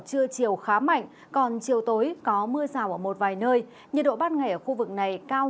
trưa chiều khá mạnh còn chiều tối có mưa rào ở một vài nơi nhiệt độ ban ngày ở khu vực này cao